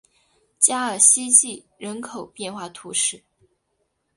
加尔希济人口变化图示